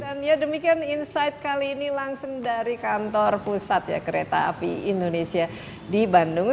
dan ya demikian insight kali ini langsung dari kantor pusat ya kereta api indonesia di bandung